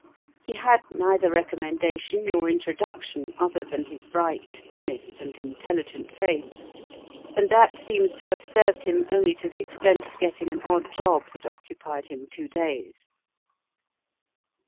He had neither recommendation nor introduction other than his bright, honest, and intelligent face, and that seems to have served him only to the extent of getting an odd job that occupied him two days.